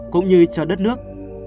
cũng như cho đất nước